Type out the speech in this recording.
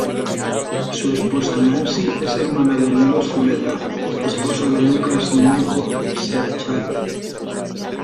Su esposa Nancy es hermana de "Lilo" Zuleta, esposa de Lucas Gnecco Cerchar.